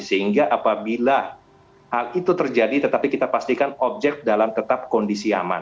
sehingga apabila hal itu terjadi tetapi kita pastikan objek dalam tetap kondisi aman